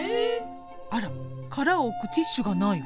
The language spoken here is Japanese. あら殻を置くティッシュがないわ。